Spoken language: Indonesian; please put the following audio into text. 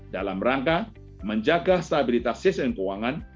dalam rangka menjaga stabilitas sistem keuangan